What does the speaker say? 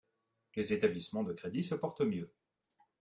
Les établissements de crédit se portent mieux.